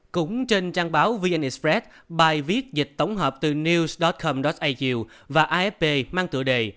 cũng trên trang báo vn express bài viết dịch tổng hợp từ news com au và afp mang tựa đề